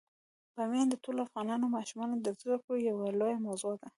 بامیان د ټولو افغان ماشومانو د زده کړې یوه لویه موضوع ده.